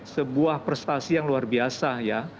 sebuah prestasi yang luar biasa ya